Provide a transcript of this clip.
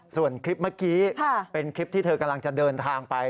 ส่วนคลิปเมื่อกี้เป็นคลิปที่เธอกำลังจะเดินทางไป